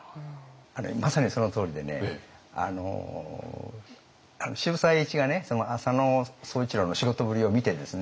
まさにそのとおりでね渋沢栄一が浅野総一郎の仕事ぶりを見てですね